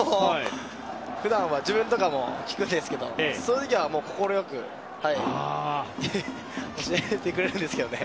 普段は自分とかも聞くんですけどそういう時は快く教えてくれるんですけどね。